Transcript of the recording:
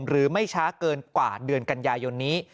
ไม่ช้าเกินกว่าเดือนกันยายนนี้